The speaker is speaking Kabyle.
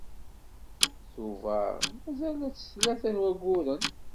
Tubeṛ mazal-as tlata n wagguren.